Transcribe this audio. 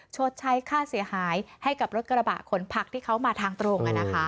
ชดใช้ค่าเสียหายให้กับรถกระบะขนผักที่เขามาทางตรง